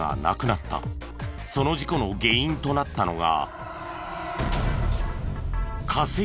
その事故の原因となったのが。